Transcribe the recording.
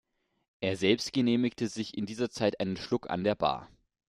Er selbst genehmigte sich in dieser Zeit einen Schluck an der Bar.